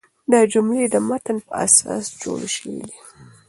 دا جملې د متن پر اساس جوړي سوي دي.